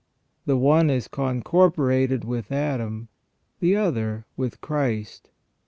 The one is concorporated with Adam, the other with Christ.